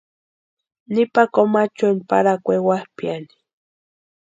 Nipa Comachueni parhakwa ewapʼiani.